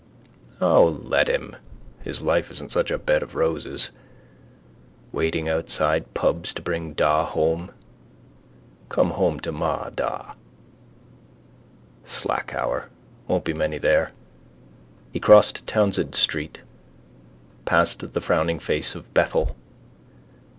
O let him! His life isn't such a bed of roses. Waiting outside pubs to bring da home. Come home to ma, da. Slack hour: won't be many there. He crossed Townsend street, passed the frowning face of Bethel.